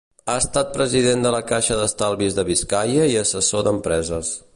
Ha estat president de la Caixa d'Estalvis de Biscaia i assessor d'empreses.